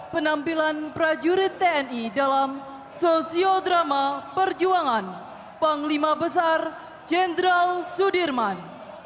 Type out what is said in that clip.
penampilan prajurit tni dalam sosiodrama perjuangan panglima besar jenderal sudirman